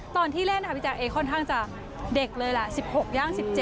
ตอนที่เล่นค่ะพี่แจ๊เอค่อนข้างจะเด็กเลยล่ะ๑๖ย่าง๑๗